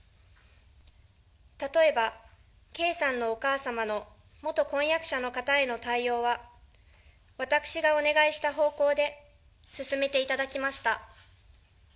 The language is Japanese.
例えば、圭さんのお母様の元婚約者の方への対応は、私がお願いした方向で進めていただきました。